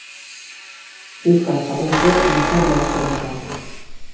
Euskal jatorriko biztanle asko dauzka.